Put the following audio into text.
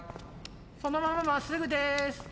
そのまままっすぐです！